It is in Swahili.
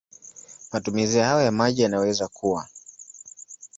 Matumizi hayo ya maji yanaweza kuwa